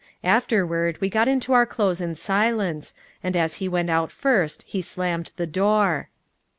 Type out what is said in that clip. Afterward we got into our clothes in silence, and as he went out first he slammed the door.